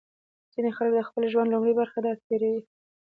ځینې خلک د خپل ژوند لومړۍ برخه داسې تېروي.